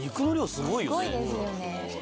すごいですよね。